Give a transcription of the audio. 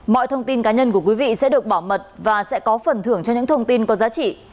mọi thông tin cá nhân của quý vị sẽ được bảo mật và sẽ có phần thưởng cho những thông tin có giá trị